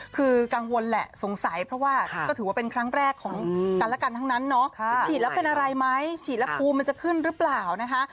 คือกังวลแหละสงสัยเพราะว่าก็ถือว่าเป็นครั้งแรกของกันและกันทั้งนั้นเนาะฉีดแล้วเป็นอะไรไหมฉีดแล้วภูมิมันจะขึ้นหรือเปล่านะคะ